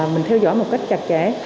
mình theo dõi một cách chặt chẽ